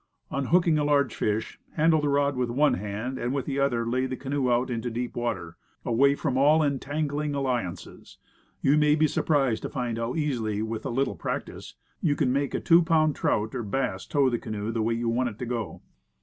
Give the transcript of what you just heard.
On hooking a large fish, handle the rod with one hand and with the other lay the canoe out into deep water, away from all entangling alliances. You may be surprised to find how easily, with a little practice, you can make a two pound trout or bass tow the canoe the way you want it to go.